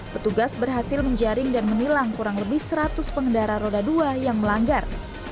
petugas berhasil menjaring dan menilang kurang lebih seratus pengendara roda dua yang melanggar